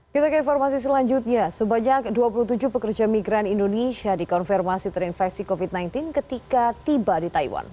kita ke informasi selanjutnya sebanyak dua puluh tujuh pekerja migran indonesia dikonfirmasi terinfeksi covid sembilan belas ketika tiba di taiwan